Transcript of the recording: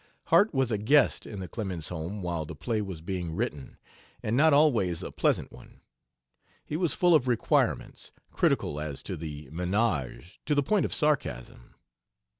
Harte was a guest in the Clemens home while the play was being written, and not always a pleasant one. He was full of requirements, critical as to the 'menage,' to the point of sarcasm.